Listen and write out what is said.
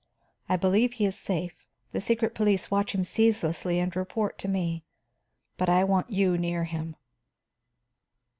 I believe he is safe; the secret police watch him ceaselessly and report to me. But I want you near him."